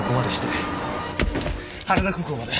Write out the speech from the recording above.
羽田空港まで。